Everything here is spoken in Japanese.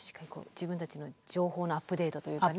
自分たちの情報のアップデートというかね。